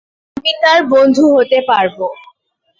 আমি তার বন্ধু হতে পারব!